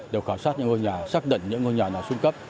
đều khảo sát những ngôi nhà xác định những ngôi nhà nào xuống cấp